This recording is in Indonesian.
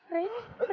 rik ini apa